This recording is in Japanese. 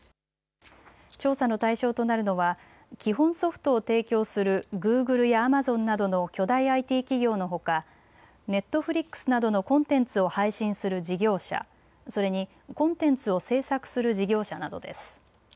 調査の対象となるのは基本ソフトを提供するグーグルやアマゾンなどの巨大ＩＴ企業のほかネットフリックスなどのコンテンツを配信する事業者、それにコンテンツを制作する事業者などです。